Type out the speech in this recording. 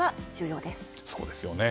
そうですよね